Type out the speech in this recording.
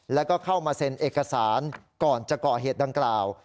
แล้วก็เข้ามาเซ็นเอกสารก่อนจะก่อเหตุดังกล่าว